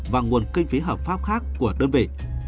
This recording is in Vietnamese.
và nguồn kinh phí hợp pháp khác của đơn vị